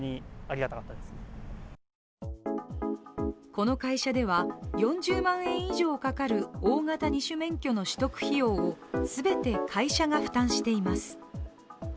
この会社では４０万円以上かかる大型２種免許の取得費用を全て会社が負担しています。